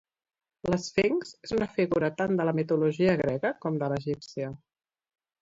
L'esfinx és una figura tant de la mitologia grega com de l'egípcia.